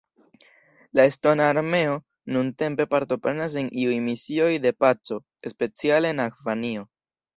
La Estona Armeo nuntempe partoprenas en iuj misioj de paco, speciale en Afganio.